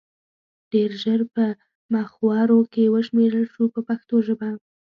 ډېر ژر په مخورو کې وشمېرل شو په پښتو ژبه.